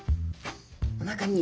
おなかに。